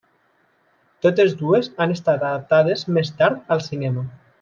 Totes dues han estat adaptades més tard al cinema.